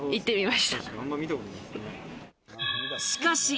しかし。